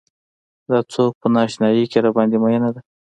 دا څوک په نا اشنايۍ کې راباندې مينه ده.